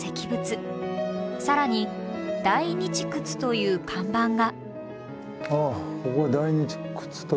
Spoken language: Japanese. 更に「大日窟」という看板が。